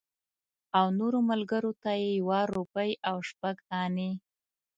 او نورو ملګرو ته یې یوه روپۍ او شپږ انې.